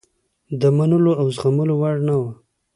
د منلو او زغملو وړ نه وه.